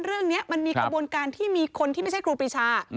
เรื่องนี้มันมีกระบวนการที่มีคนที่ไม่ใช่ครูปรีชา